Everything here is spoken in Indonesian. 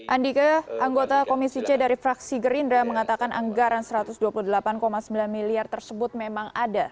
andika anggota komisi c dari fraksi gerindra mengatakan anggaran rp satu ratus dua puluh delapan sembilan miliar tersebut memang ada